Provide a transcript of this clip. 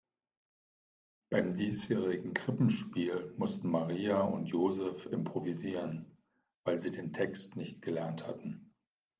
Beim diesjährigen Krippenspiel mussten Maria und Joseph improvisieren, weil sie den Text nicht gelernt hatten.